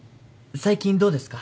最近どうですか？